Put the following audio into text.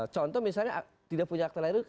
contoh misalnya tidak punya akte lahir